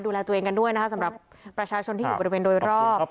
ดูแลตัวเองกันด้วยนะคะสำหรับประชาชนที่อยู่บริเวณโดยรอบ